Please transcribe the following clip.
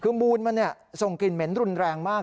คือมูลมันส่งกลิ่นเหม็นรุนแรงมาก